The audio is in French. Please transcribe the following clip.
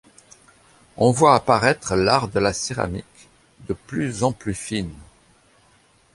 On voit apparaître l'art de la céramique, de plus en plus fine.